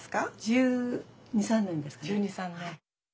１２１３年ですかね。